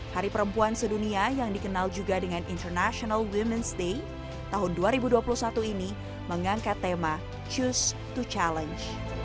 hari perempuan sedunia yang dikenal juga dengan international ⁇ womens ⁇ day tahun dua ribu dua puluh satu ini mengangkat tema choose to challenge